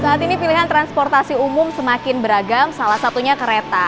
saat ini pilihan transportasi umum semakin beragam salah satunya kereta